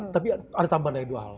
tapi ada tambahan dari dua hal